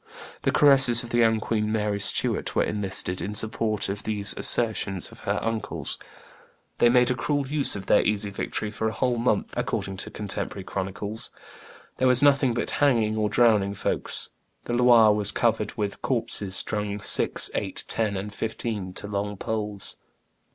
The caresses of the young queen Mary Stuart were enlisted in support of these assertions of her uncles. They made a cruel use of their easy victory "for a whole month," according to contemporary chronicles, "there was nothing but hanging or drowning folks. The Loire was covered with corpses strung, six, eight, ten, and fifteen, to long poles.